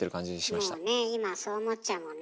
もうね今そう思っちゃうもんね。